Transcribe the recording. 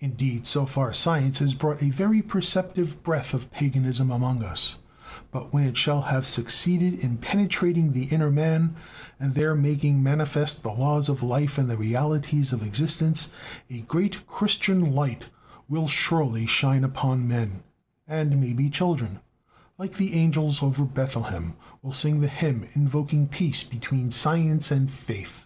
Indeed, so far science has brought a very perceptive breath of paganism among us. But when it shall have succeeded in penetrating the inner man, and there making manifest the laws of life and the realities of existence, a great Christian light will surely shine upon men; and maybe children, like the angels over Bethlehem, will sing the hymn invoking peace between science and faith.